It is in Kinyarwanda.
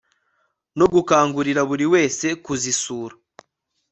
no gukangurira buri wese kuzisura